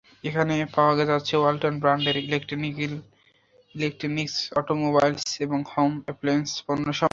এখানে পাওয়া যাচ্ছে ওয়ালটন ব্র্যান্ডের ইলেকট্রিক্যাল, ইলেকট্রনিকস, অটোমোবাইলস এবং হোম অ্যাপ্লায়েন্স পণ্যসামগ্রী।